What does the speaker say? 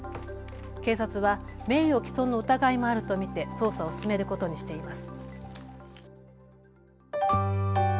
警察は名誉毀損の疑いもあると見て捜査を進めることにしています。